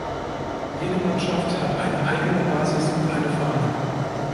Jede Mannschaft hat eine eigene Basis und eine Fahne.